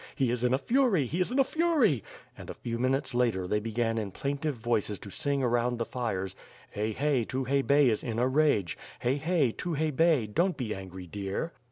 He is in a fury! He is in a fury! And a few moments later they began in plaintive voices to sing around the fires: " Hey hey, Tukhay Bey Is in a rage, Hey. hey ; Tukhay Bey Don't be angry, dear."